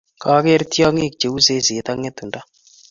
Kageer tyongik che uu seseet ak ng'etundo